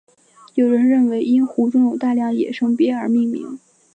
有人认为因湖中有大量野生鳖而命名。